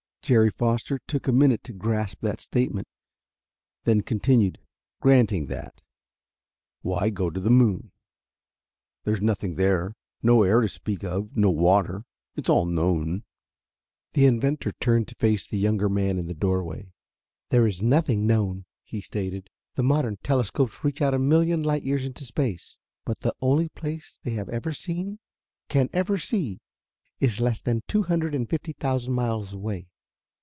Jerry Foster took a minute to grasp that statement, then continued: "Granting that, why go to the moon? There is nothing there, no air to speak of, no water! It's all known." The inventor turned to face the younger man in the doorway. "There is nothing known," he stated. "The modern telescopes reach out a million light years into space. But the one place they have never seen can never see is less than two hundred and fifty thousand miles away.